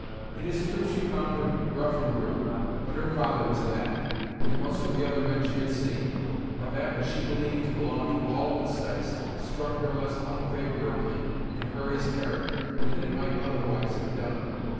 It is true she found him rough and rude; but her father was that, and most of the other men she had seen, and that which she believed to belong to all of the sex struck her less unfavorably in Hurry's character than it might otherwise have done.